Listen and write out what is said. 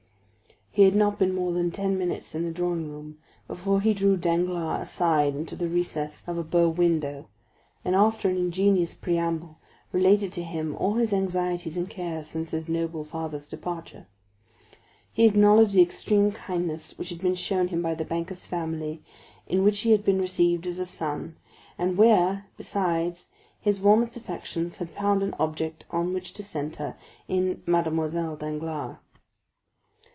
He had not been more than ten minutes in the drawing room before he drew Danglars aside into the recess of a bow window, and, after an ingenious preamble, related to him all his anxieties and cares since his noble father's departure. He acknowledged the extreme kindness which had been shown him by the banker's family, in which he had been received as a son, and where, besides, his warmest affections had found an object on which to centre in Mademoiselle Danglars.